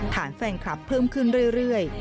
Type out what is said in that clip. แฟนคลับเพิ่มขึ้นเรื่อย